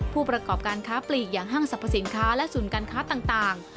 ผู้ประกอบการค้าปลีกอย่างห้างสรรพสินค้าและศูนย์การค้าต่าง